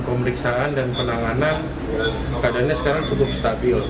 pemeriksaan dan penanganan keadaannya sekarang cukup stabil